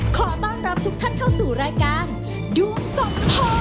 ขอต้อนรับทุกท่านเข้าสู่รายการดวงสองพ่อ